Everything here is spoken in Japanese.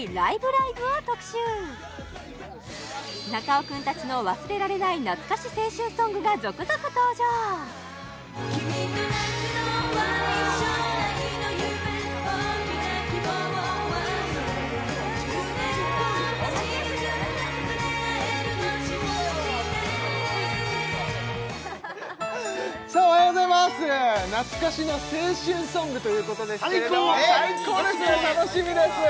ライブ！」を特集中尾くんたちの忘れられない懐かし青春ソングが続々登場さあおはようございます懐かしの青春ソングということですけれど最高最高ですね楽しみです